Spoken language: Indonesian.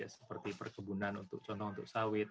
seperti perkebunan untuk contoh untuk sawit